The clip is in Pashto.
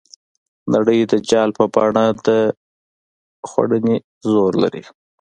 نړۍ د جال په بڼه د خوړنې زور لري.